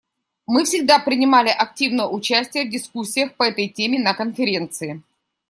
Мы всегда принимали активное участие в дискуссиях по этой теме на Конференции.